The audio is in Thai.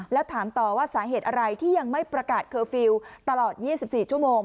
แล้วถามต่อว่าสาเหตุอะไรที่ยังไม่ประกาศเคอร์ฟิลล์ตลอด๒๔ชั่วโมง